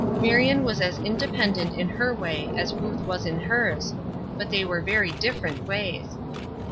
Marion was as independent in her way as Ruth was in hers, but they were very different ways.